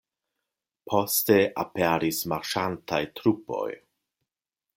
Poste aperis marŝantaj trupoj.